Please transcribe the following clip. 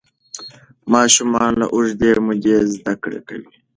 ماشومان له اوږدې مودې زده کړه کوي.